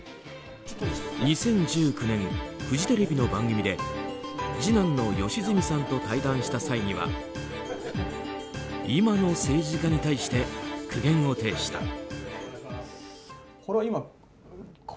２０１９年、フジテレビの番組で次男の良純さんと対談した際には今の政治家に対して苦言を呈した。